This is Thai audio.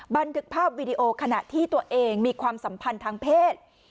บันทึกภาพวีดีโอขณะที่ตัวเองมีความสัมพันธ์ทางเพศ